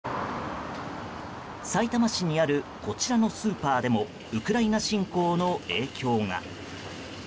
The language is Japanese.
さいたま市にあるこちらのスーパーでもウクライナ侵攻の影響が。